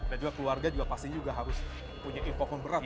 dan juga keluarga juga pasti harus punya impokon berat ya pak